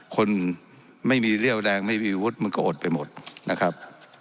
คนไม่มีเรี่ยวแรงไม่มีอาวุธมันก็อดไปหมดนะครับ